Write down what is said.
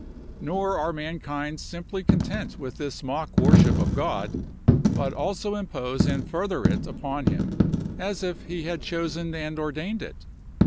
Nor are mankind simply content with this mock worship of God, but also impose and further it upon him, as if he had chosen and ordained it.